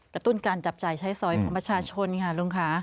ตุ้นการจับจ่ายใช้สอยของประชาชนค่ะลุงค่ะ